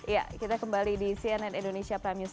ya kita kembali di cnn indonesia prime news